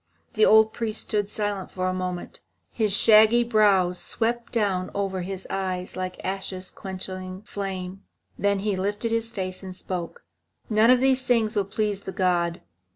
The old priest stood silent for a moment. His shaggy brows swept down over his eyes like ashes quenching flame. Then he lifted his face and spoke. "None of these things will please the god.